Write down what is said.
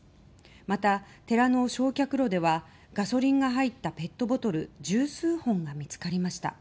また、寺の焼却炉ではガソリンが入ったペットボトル十数本が見つかりました。